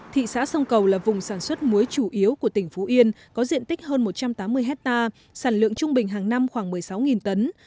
thị xã sông cầu là vùng sản xuất muối chủ yếu của tỉnh phú yên có diện tích hơn một trăm tám mươi hectare sản lượng trung bình hàng năm khoảng một mươi sáu tấn